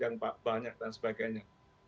yang banyak dan sebagainya